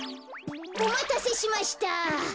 おまたせしました。